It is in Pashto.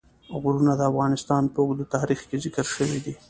غرونه د افغانستان په اوږده تاریخ کې ذکر شوی دی.